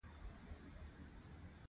عطايي د ولس د آواز ترجماني کړې ده.